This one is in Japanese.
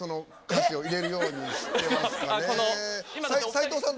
斉藤さん